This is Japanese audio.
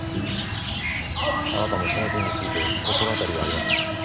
あなたもその件について心当たりがありますね？